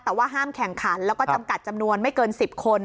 แต่ว่าห้ามแข่งขันแล้วก็จำกัดจำนวนไม่เกิน๑๐คน